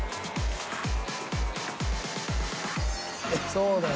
そうだよ。